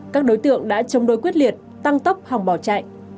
các đối tượng đã chống đối quyết liệt tăng tốc hòng bỏ chạy